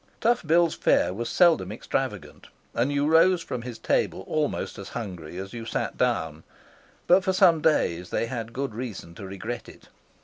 Tough Bill's fare was seldom extravagant, and you rose from his table almost as hungry as you sat down, but for some days they had good reason to regret it.